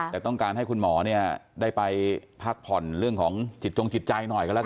แต่ต้องการให้คุณหมอเนี่ยได้ไปพักผ่อนเรื่องของจิตจงจิตใจหน่อยกันแล้วกัน